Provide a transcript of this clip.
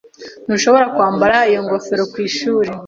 Ntushobora kwambara iyo ngofero ku ishuri.